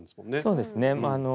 そうですね。